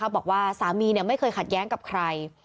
บอกว่าสามีไม่เคยขัดแย้งกับใคร